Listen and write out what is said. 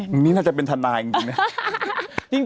มันนี่น่าจะเป็นธันายจริง